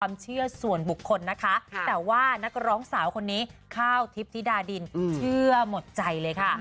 เชื่อส่วนบุคคลนะคะแต่ว่านักร้องสาวคนนี้ข้าวทิพย์ธิดาดินเชื่อหมดใจเลยค่ะ